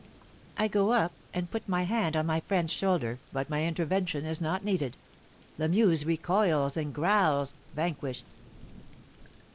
I go up and put my hand on my friend's shoulder, but my intervention is not needed. Lamuse recoils and growls, vanquished.